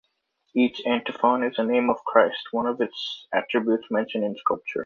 Each antiphon is a name of Christ, one of his attributes mentioned in Scripture.